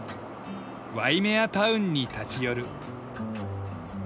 ワイメア・タウンに立ち寄る。